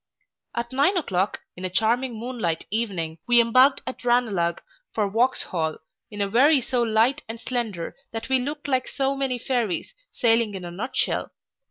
At nine o'clock, in a charming moonlight evening, we embarked at Ranelagh for Vauxhall, in a wherry so light and slender that we looked like so many fairies sailing in a nutshell.